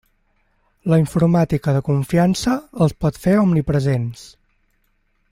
La “informàtica de confiança” els pot fer omnipresents.